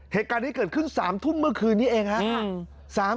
เหตุการณ์นี้เกิดขึ้น๓ทุ่มเมื่อคืนนี้เองครับ